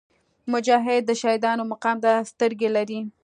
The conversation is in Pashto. مجاهد د شهیدانو مقام ته سترګې لري.